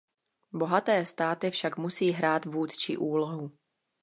Bohaté státy však musí hrát vůdčí úlohu.